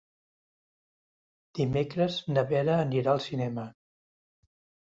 Dimecres na Vera anirà al cinema.